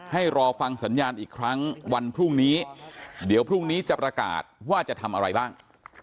รอฟังสัญญาณอีกครั้งวันพรุ่งนี้เดี๋ยวพรุ่งนี้จะประกาศว่าจะทำอะไรบ้าง